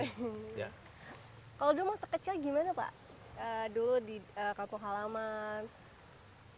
kalau dulu masa kecil gimana pak